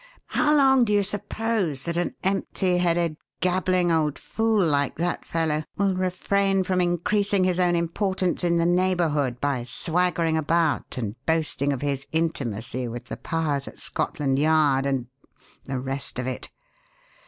How long do you suppose that an empty headed, gabbling old fool like that fellow will refrain from increasing his own importance in the neighbourhood by swaggering about and boasting of his intimacy with the powers at Scotland Yard and the rest of it?